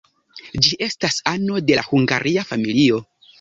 Ĝi estas ano de la hungaria familio.